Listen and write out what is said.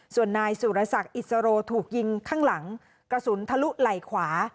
ส่วนนายสุรศักดิ์อิสโรถูกยิงข้างหลังกระสุนทะลุไหล่ขวา